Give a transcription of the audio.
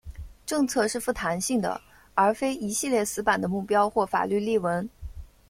政策是富弹性的而非一系列死板的目标或法律例文。